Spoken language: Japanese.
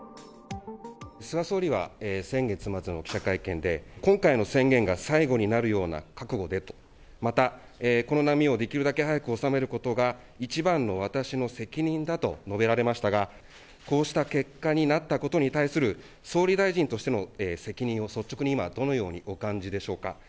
菅総理は先月末の記者会見で今回の宣言が最後になるような覚悟でと、また、この波をできるだけ早く収めることが一番の私の責任だと述べられましたが、こうした結果になったことに対する総理大臣としての責任を率直に今、どのようにお感じでしょうか？